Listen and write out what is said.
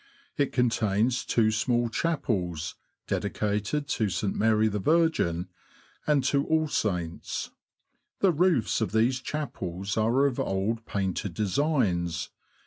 It contains two small chapels, dedicated to St. Mary the Virgin and to All Saints. The roofs of these chapels are of old painted designs.